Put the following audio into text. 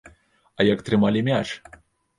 А як трымалі мяч!